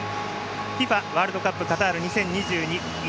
ＦＩＦＡワールドカップカタール２０２２１